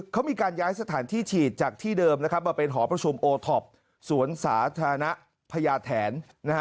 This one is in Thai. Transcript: เขามีการย้ายสถานที่ฉีดจากที่เดิมนะครับมาเป็นหอประชุมโอท็อปสวนสาธารณะพญาแถน